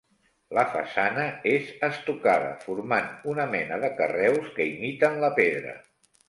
La façana és estocada formant una mena de carreus que imiten la pedra.